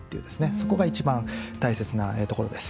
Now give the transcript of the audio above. そこが一番大切なところです。